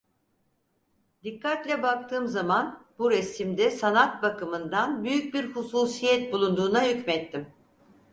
Dikkatle baktığım zaman bu resimde sanat bakımından büyük bir hususiyet bulunduğuna hükmettim.